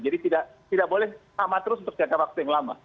tidak boleh sama terus untuk jangka waktu yang lama